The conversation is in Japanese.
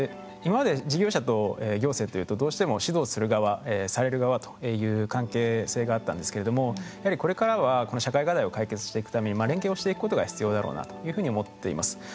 今まで事業者と行政というとどうしても指導する側される側という関係性があったんですけれどもやはりこれからはこの社会課題を解決していくために連携をしていくことが必要だろうなというふうに思っています。